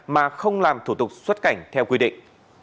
mà không làm thủ tục xuất cảnh theo quy định